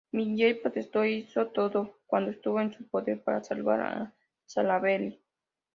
Miller protestó e hizo todo cuanto estuvo en su poder para salvar a Salaverry.